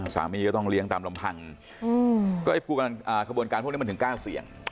สามีก็ต้องเลี้ยงตามลำพังก็ขบวนการพวกนี้มันถึงกล้าเสี่ยง